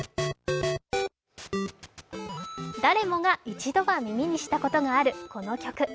誰もが一度は耳にしたことがあるこの曲。